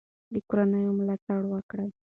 د کورنیو ملاتړ وکړئ.